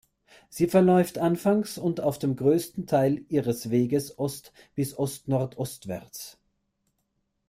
Sie verläuft anfangs und auf dem größten Teil ihres Weges ost- bis ostnordostwärts.